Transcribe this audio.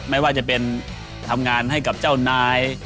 ไม่ว่าจะเป็นทำงานให้กับเจ้านาย